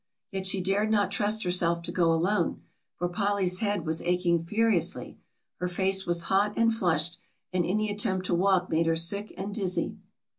Yet she dared not trust herself to go alone, for Polly's head was aching furiously, her face was hot and flushed and any attempt to walk made her sick and dizzy.